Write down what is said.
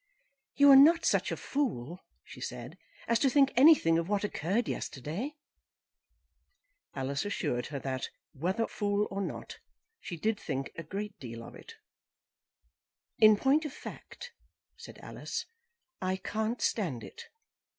"You are not such a fool," she said, "as to think anything of what occurred yesterday?" Alice assured her that, whether fool or not, she did think a great deal of it. "In point of fact," said Alice, "I can't stand it.